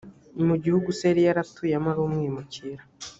mu gihugu se yari yaratuyemo ari umwimukira